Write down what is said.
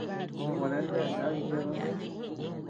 Gua deanu déa diná chi chebä.